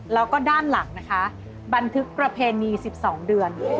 แล้วก็ด้านหลังนะคะบันทึกประเพณี๑๒เดือน